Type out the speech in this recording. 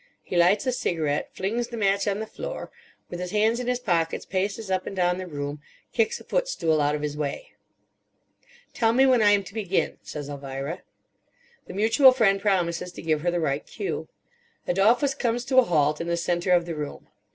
He lights a cigarette; flings the match on the floor; with his hands in his pockets paces up and down the room; kicks a footstool out of his way. "Tell me when I am to begin," says Elvira. The mutual friend promises to give her the right cue. Adolphus comes to a halt in the centre of the room.